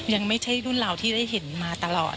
ยังไม่ใช่รุ่นเราที่ได้เห็นมาตลอด